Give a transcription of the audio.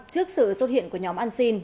trước sự xuất hiện của nhóm ăn xin